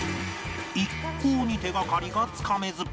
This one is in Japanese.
一向に手がかりがつかめず